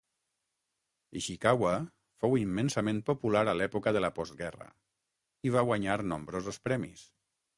Ishikawa fou immensament popular a l'època de la postguerra, i va guanyar nombrosos premis.